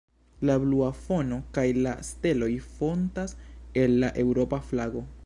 La blua fono kaj la steloj fontas el la Eŭropa flago.